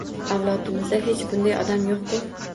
Avlodimizda hech bunday odam yo`q-ku